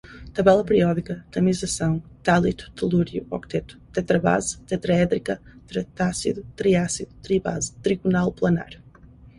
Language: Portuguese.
tabela periódica, tamisação, tálito, telúrio, octeto, tetrabase, tetraédrica, tetrácido, triácido, tribase, trigonal planar